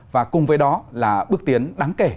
và cùng với đó là bước tiến đáng kể